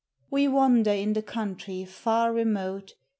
We wander in the country far remote.